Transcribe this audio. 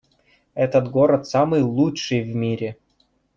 Этот город самый лучший в мире!